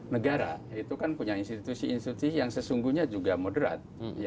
negara itu kan punya institusi institusi yang sesungguhnya juga moderat